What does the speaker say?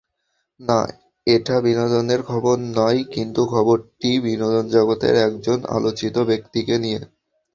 না, এটা বিনোদনের খবর নয়, কিন্তু খবরটি বিনোদনজগতের একজন আলোচিত ব্যক্তিকে নিয়ে।